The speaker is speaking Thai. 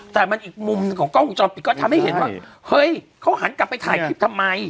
แต่มันอีกมุมหนึ่งของกล้องวงจรปิดก็ทำให้เห็นว่าเฮ้ยเขาหันกลับไปถ่ายคลิปทำไม